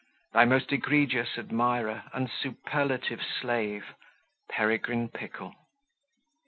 Thy most egregious admirer and superlative slave, "Peregrine Pickle."